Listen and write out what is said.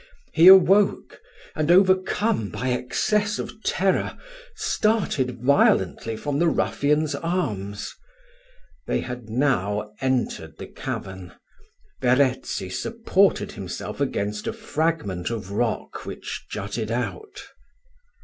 He awoke and overcome by excess of terror, started violently from the ruffians' arms. They had now entered the cavern Verezzi supported himself against a fragment of rock which jutted out.